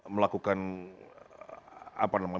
melakukan apa namanya